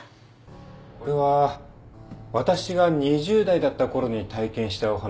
これは私が２０代だったころに体験したお話です。